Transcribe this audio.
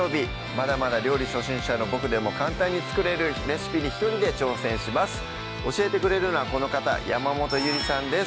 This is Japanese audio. まだまだ料理初心者のボクでも簡単に作れるレシピに一人で挑戦します教えてくれるのはこの方山本ゆりさんです